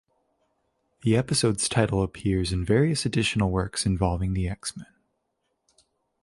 The episode's title appears in various additional works involving the X-Men.